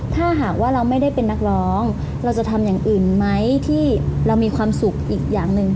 ถ้าหากว่าเราไม่ได้เป็นนักร้องเราจะทำอย่างอื่นไหมที่เรามีความสุขอีกอย่างหนึ่ง